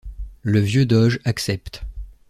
Le vieux doge accepte.